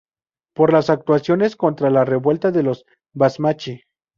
Por las actuaciones contra la Revuelta de los Basmachí.